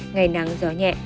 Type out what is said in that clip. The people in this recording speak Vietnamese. ngày nắng gió nhẹ